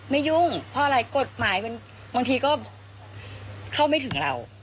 ยุ่งเพราะอะไรกฎหมายบางทีก็เข้าไม่ถึงเรา